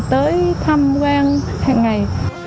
tới tham quan hẹn ngày